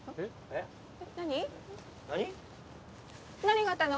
何があったの？